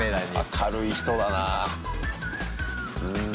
明るい人だなぁ。